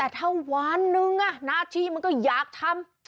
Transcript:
ถ้าวันหนึ่งนาทีมันก็อยากทำ